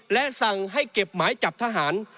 และสั่งให้เก็บหมายจับทหาร